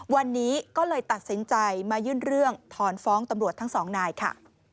วันนี้ก็เลยตัดสินใจมายื่นเรื่องถอนฟ้องตำรวจทั้งสองนายค่ะ